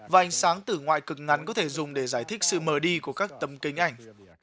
và ánh sáng tử ngoại cực ngắn có thể dùng để giải thích sự mờ đi của các tấm kính ảnh